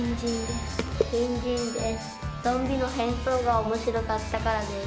ゾンビの変装が面白かったからです。